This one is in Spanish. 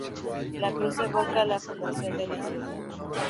La cruz evoca la fundación de la ciudad.